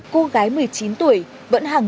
cô gái một mươi chín tuổi vẫn hàng ngày đi tập trung